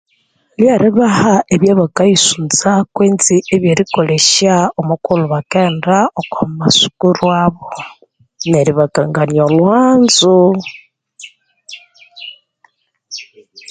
Lyeribaha ebya bakayisunza, kwenzi ebyerikolesya omughulu bakaghenda okwa masukuru abo neri bakangania olhwanzo.